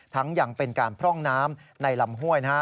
ทั้งอย่างเป็นการพร่องน้ำในลำห้วย